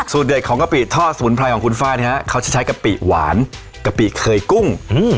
เด็ดของกะปิทอดสมุนไพรของคุณฟ้าเนี่ยฮะเขาจะใช้กะปิหวานกะปิเคยกุ้ง